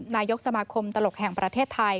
นายกสมาคมตลกแห่งประเทศไทย